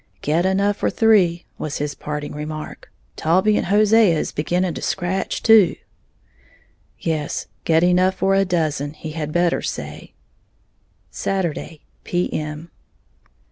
"Get enough for three," was his parting remark, "Taulbee and Hose is beginning to scratch too!" Yes, get enough for a dozen, he had better say! _Saturday, P. M.